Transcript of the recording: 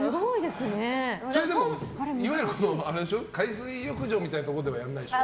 いわゆる海水浴場みたいなところではやらないでしょ？